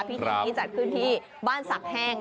พิธีนี้จัดขึ้นที่บ้านศักดิ์แห้งนะคะ